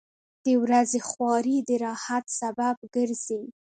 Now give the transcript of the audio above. • د ورځې خواري د راحت سبب ګرځي.